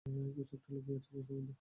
কিছু একটা লুকিয়ে আছে কুয়াশার মধ্যে!